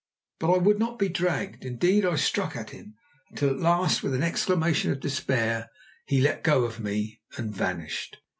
But I would not be dragged; indeed, I struck at him, until at last, with an exclamation of despair, he let go of me and vanished.